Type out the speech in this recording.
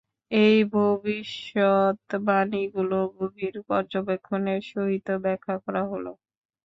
এই ভবিষ্যৎবাণীগুলো গভীর পর্যবেক্ষণের সহিত ব্যাখ্যা করা হলো।